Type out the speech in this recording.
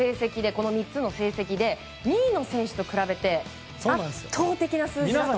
この３つの成績で２位の選手と比べて圧倒的な数字なんです。